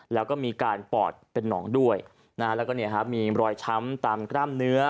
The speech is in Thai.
แล้วก็มีการปอดเป็นหนองด้วยนะฮะแล้วก็เนี่ยฮะมีรอยช้ำตามกล้ามเนื้อ